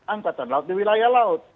angkatan laut di wilayah laut